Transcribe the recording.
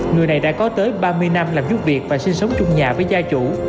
người này đã có tới ba mươi năm làm giúp việc và sinh sống trong nhà với gia chủ